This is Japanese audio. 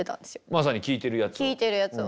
まさに聴いてるやつを。